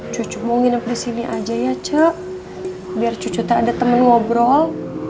cucu mau nginep di sini aja ya cak biar cucu tak ada teman ngobrol